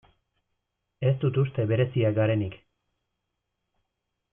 Ez dut uste bereziak garenik.